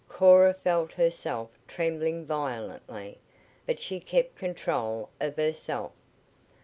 Cora felt herself trembling violently, but she kept control of herself.